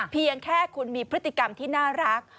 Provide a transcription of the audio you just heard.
เพียงแค่คุณมีพฤติกรรมที่น่ารัก